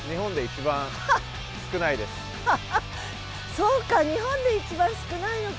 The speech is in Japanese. そうか日本で一番少ないのか。